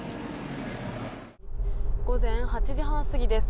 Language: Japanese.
午前８時半過ぎです。